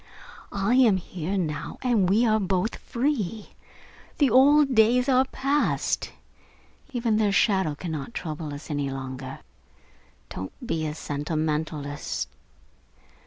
I am here now and we are both free. The old days are passed. Even their shadow cannot trouble us any longer. Don't be a sentimentalist.